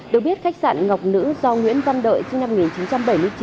được biết khách sạn ngọc nữ do nguyễn văn đợi sinh năm một nghìn chín trăm bảy mươi chín